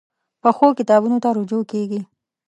پخو کتابونو ته رجوع کېږي